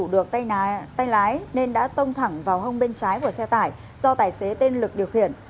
được tay lái nên đã tông thẳng vào hông bên trái của xe tải do tài xế tên lực điều khiển